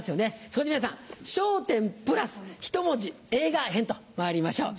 そこで皆さん「笑点プラスひと文字映画編」とまいりましょう。